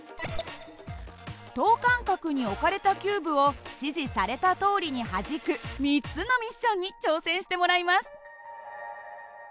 等間隔に置かれたキューブを指示されたとおりにはじく３つのミッションに挑戦してもらいます。